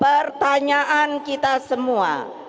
pertanyaan kita semua